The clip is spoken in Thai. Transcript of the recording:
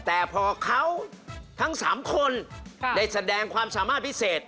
แต่พอเขาทั้ง๓คนได้แสดงความสามารถพิเศษ